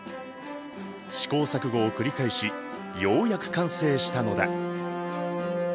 試行錯誤を繰り返しようやく完成したのだ。